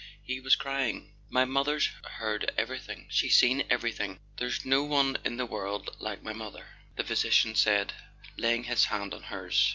He was crying." "My mother's heard everything, she's seen every¬ thing. There's no one in the world like my mother!" the physician said, laying his hand on hers.